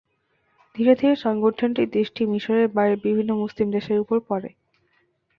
ধীরে ধীরে সংগঠনটির দৃষ্টি মিসরের বাইরে বিভিন্ন মুসলিম দেশের ওপর পড়ে।